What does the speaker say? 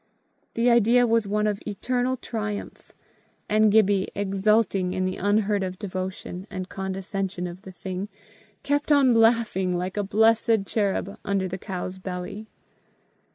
The idea was one of eternal triumph; and Gibbie, exulting in the unheard of devotion and condescension of the thing, kept on laughing like a blessed cherub under the cow's belly.